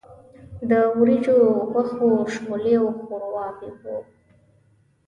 د وریجو، غوښو، شولې او ښورواوې وو.